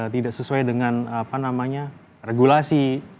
tidak sesuai dengan regulasi